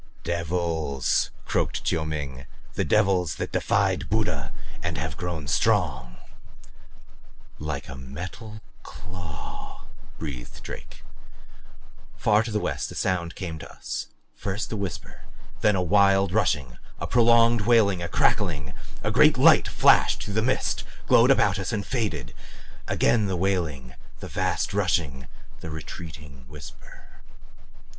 "Devils," croaked Chiu Ming. "The devils that defied Buddha and have grown strong " "Like a metal claw!" breathed Drake. Far to the west a sound came to us; first a whisper, then a wild rushing, a prolonged wailing, a crackling. A great light flashed through the mist, glowed about us and faded. Again the wailing, the vast rushing, the retreating whisper.